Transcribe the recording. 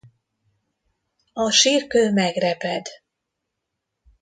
A sírkő megreped.